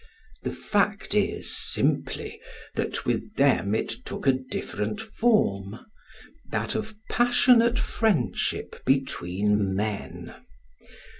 The fact is simply that with them it took a different form, that of passionate friendship between men.